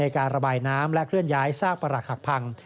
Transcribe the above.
การระบายน้ำและเคลื่อนย้ายซากประหลักหักพัง